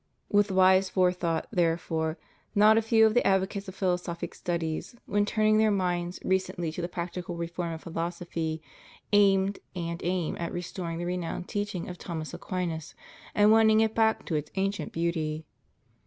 "* With wise forethought, therefoer, not a few of the ad vocates of philosophic studies, when turning their minds recently to the practical reform of philosophy, aimed and aim at restoring the renowned teaching of Thomas Aquinas and winning it back to its ancient beauty.